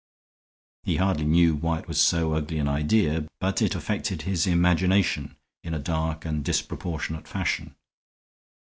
He hardly knew why it was so ugly an idea, but it affected his imagination in a dark and disproportionate fashion.